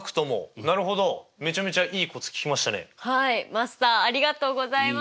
マスターありがとうございます。